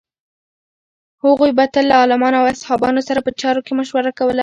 هغوی به تل له عالمانو او اصحابو سره په چارو کې مشوره کوله.